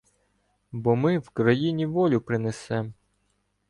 Бо ми Вкраїні волю принесем.